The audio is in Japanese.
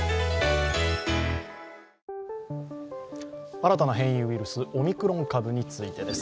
新たな変異ウイルスオミクロン株についてです。